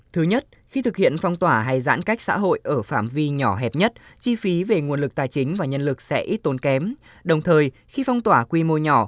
thứ nhất khi thực hiện phong tỏa hay giãn cách xã hội ở phạm vi nhỏ hẹp nhất chi phí về nguồn lực tài chính và nhân lực sẽ ít tốn kém đồng thời khi phong tỏa quy mô nhỏ